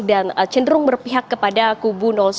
dan cenderung berpihak kepada kubu satu